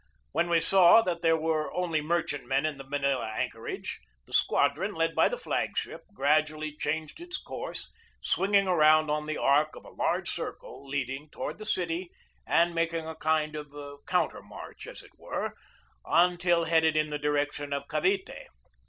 When we saw that there were only mer chantmen at the Manila anchorage, the squadron, led by the flag ship, gradually changed its course, swinging around on the arc of a large circle leading toward the city and making a kind of countermarch, as it were, until headed in the direction of Cavite.